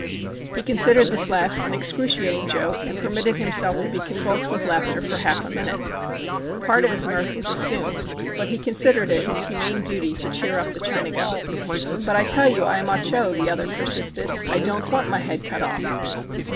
He considered this last an excruciating joke, and permitted himself to be convulsed with laughter for half a minute. Part of his mirth was assumed, but he considered it his humane duty to cheer up the Chinago. 174 THE CHINAGO " But I tell you I am Ah Cho," the other per sisted. "I don't want my head cut off."